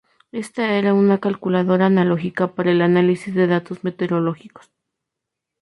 Esta era una calculadora analógica para el análisis de datos meteorológicos.